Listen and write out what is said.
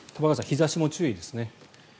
日差しも注意ですね。